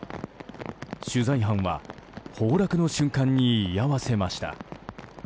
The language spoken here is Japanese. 取材班は崩落の瞬間に居合わせました。